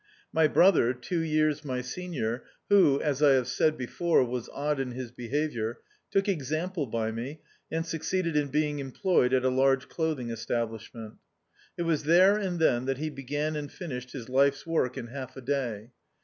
My brother, two years my senior, who, as I have said before, was odd in his behaviour, took example by me, and succeeded in being em ployed at a large clothing establishment. It was there and then that he began and fini^ed his life's work in half a day.